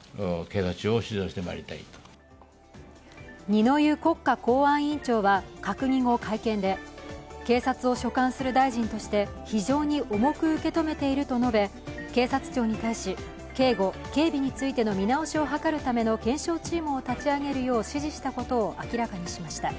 二之湯国家公安委員長は閣議後会見で警察を所管する大臣として非常に重く受け止めていると述べ警察庁に対し、警護・警備についての見直しを図るための検証チームを立ち上げるよう指示したことを明らかにしました。